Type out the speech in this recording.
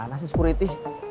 kemana sih security